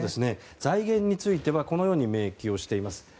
財源についてはこのように明記しています。